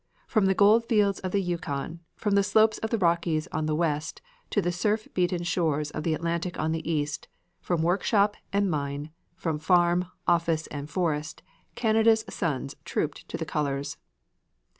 From the gold fields of the Yukon, from the slopes of the Rockies on the west to the surf beaten shores of the Atlantic on the east; from workshop and mine; from farm, office and forest, Canada's sons trooped to the colors.